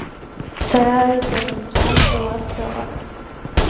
Сара аизара нҵәаанӡа уа сыҟан.